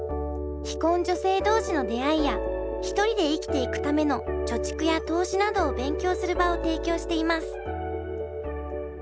非婚女性同士の出会いや一人で生きていくための貯蓄や投資などを勉強する場を提供しています。